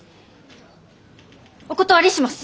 お断りします！